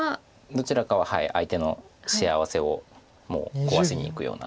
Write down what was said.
どちらかは相手の幸せをもう壊しにいくような。